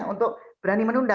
untuk berani menunda